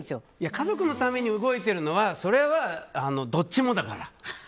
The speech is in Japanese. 家族のために動いてるのはそれは、どっちもだから。